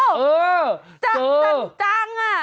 อ้อจัดจัดจังอ่ะ